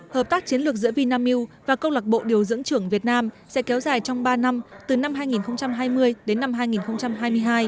hợp tác chiến lược giữa vinamilk và câu lạc bộ điều dưỡng trưởng việt nam sẽ kéo dài trong ba năm từ năm hai nghìn hai mươi đến năm hai nghìn hai mươi hai